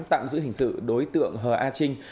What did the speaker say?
tạm giữ hình sự đối tượng hờ a trinh